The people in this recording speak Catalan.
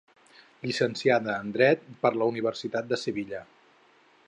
Llicenciada en Dret per la Universitat de Sevilla.